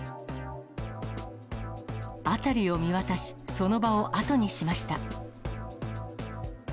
辺りを見渡し、その場を後にしました。